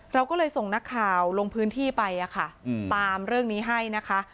เราก็เลยส่งนักข่าวลงพื้นที่ไปค่ะตามเรื่องนี้ให้นะคะ